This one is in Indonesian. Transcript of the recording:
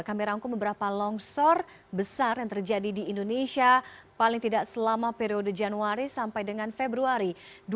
kami rangkum beberapa longsor besar yang terjadi di indonesia paling tidak selama periode januari sampai dengan februari dua ribu dua puluh